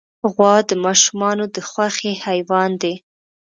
غوا د ماشومانو د خوښې حیوان دی.